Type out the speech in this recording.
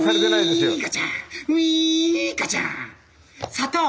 砂糖！